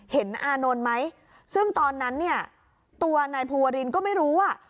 อานนท์ไหมซึ่งตอนนั้นเนี่ยตัวนายภูวรินก็ไม่รู้อ่ะ